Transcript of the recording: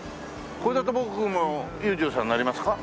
これだと僕も裕次郎さんになりますか？